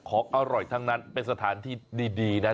ของอร่อยทั้งนั้นเป็นสถานที่ดีนะ